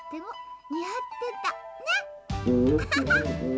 アハハ。